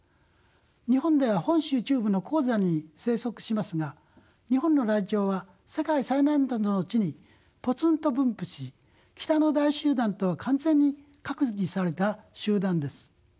日本では本州中部の高山に生息しますが日本のライチョウは世界最南端の地にポツンと分布し北の大集団とは完全に隔離された集団です。